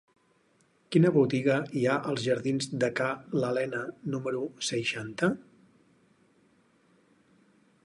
Quina botiga hi ha als jardins de Ca l'Alena número seixanta?